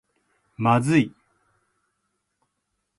まずい